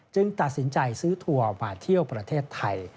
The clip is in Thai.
ตัดสินใจซื้อทัวร์มาเที่ยวประเทศไทย